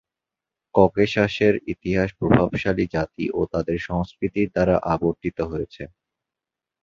ককেশাসের ইতিহাস প্রভাবশালী জাতি ও তাদের সংস্কৃতির দ্বারা আবর্তিত হয়েছে।